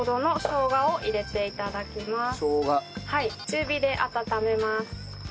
中火で温めます。